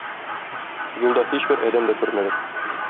Юлда һичбер адәм дә күрмәдек.